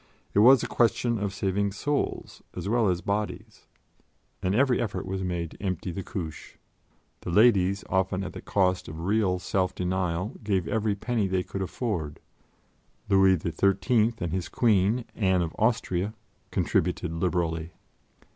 It was a question of saving souls as well as bodies, and every effort was made to empty the Couche. The Ladies, often at the cost of real self denial, gave every penny they could afford; Louis XIII and his Queen, Anne of Austria, contributed liberally.